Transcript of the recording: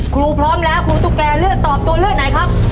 พร้อมแล้วครูตุ๊กแก่เลือกตอบตัวเลือกไหนครับ